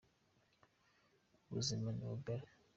ubuzima nibugari